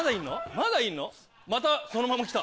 まだいんの？